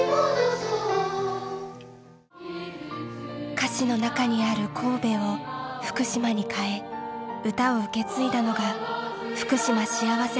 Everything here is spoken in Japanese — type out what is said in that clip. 歌詞の中にある「神戸」を「福島」に変え歌を受け継いだのが「福島しあわせ